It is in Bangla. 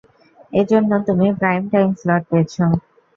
এজন্য তুমি প্রাইম টাইম স্লট পেয়েছো।